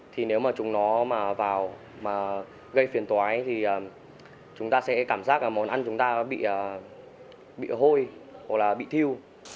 thì nếu mà chúng nó mà vào mà gây phiền tói thì chúng ta sẽ cảm giác món ăn chúng ta bị hôi hoặc là bị thiêu